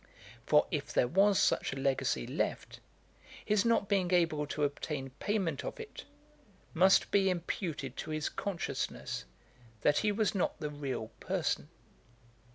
For if there was such a legacy left, his not being able to obtain payment of it, must be imputed to his consciousness that he was not the real person.